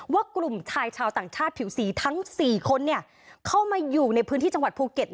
ว่ากลุ่มชายชาวต่างชาติผิวสีทั้ง๔คนเข้ามาอยู่ในพื้นที่จังหวัดภูเก็ต